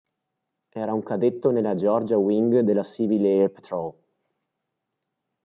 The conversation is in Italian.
Era un cadetto nella Georgia Wing della Civil Air Patrol.